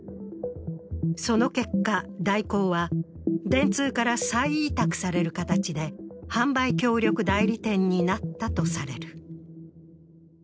その結果、大広は電通から再委託される形で、販売協力代理店になったとされる。